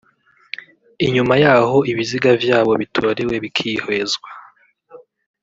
Inyuma yaho ibiziga vyabo bitorewe bikihwezwa